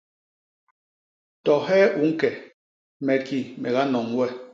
To hee u ñke, me ki me ganoñ we.